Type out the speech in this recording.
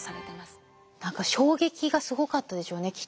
何か衝撃がすごかったでしょうねきっと。